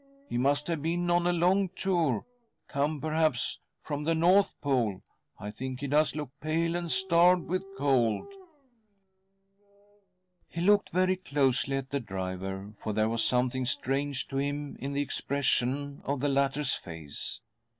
He must ■ have been on a long tour — come perhaps from the North Bole. I think he does look pale and starved with cold/' ; He looked very closely at the driver, for there was something strange to him in the expression of .the latter's face.